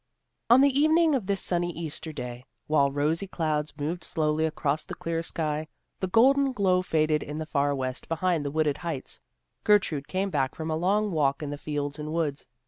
On the evening of this sunny Easter day, while rosy clouds moved slowly across the clear sky, and the golden glow faded in the far west behind the wooded heights, Gertrude came back from a long walk in the fields and woods.